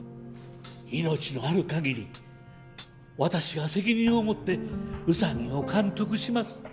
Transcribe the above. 命のある限り私が責任を持ってウサギを監督します。